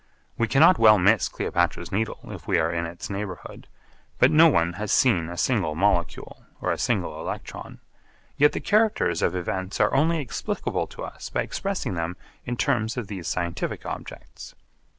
We cannot well miss Cleopatra's Needle, if we are in its neighbourhood; but no one has seen a single molecule or a single electron, yet the characters of events are only explicable to us by expressing them in terms of these scientific objects.